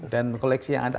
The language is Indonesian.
dan koleksi yang ada